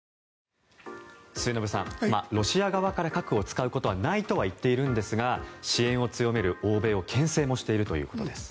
末延さん、ロシア側から核を使うことはないと言っているんですが支援を強める欧米をけん制もしているということです。